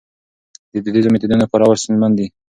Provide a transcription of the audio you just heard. د دودیزو میتودونو کارول ستونزمن دي.